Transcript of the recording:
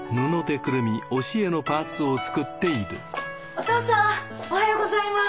お父さんおはようございます。